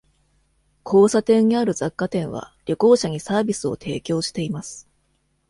交差点にある雑貨店は旅行者にサービスを提供しています。